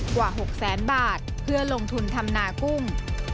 กว่า๖แสนบาทเพื่อลงทุนทำนากุ้ง